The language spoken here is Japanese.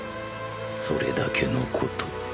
［それだけのこと］